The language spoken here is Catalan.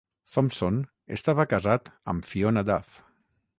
Thompson estava casat amb Fiona Duff.